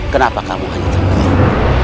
kenapa kamu hanya tempat ini